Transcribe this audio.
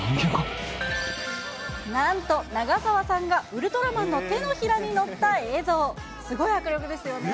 なんと、長澤さんがウルトラマンの手のひらに乗った映像。ですね。